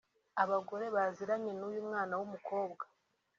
Abagore baziranye n’uyu mwana w’umukobwa